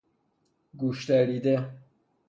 گوشدریده